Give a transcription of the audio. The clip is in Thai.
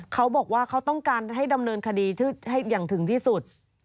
เขาบอกว่าเขาต้องการให้ดำเนินคดีอย่างถึงที่สุด